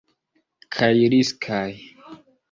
Kaj riskaj.